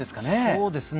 そうですね